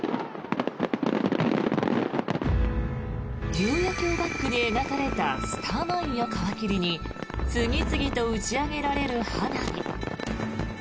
夕焼けをバックに描かれたスターマインを皮切りに次々と打ち上げられる花火。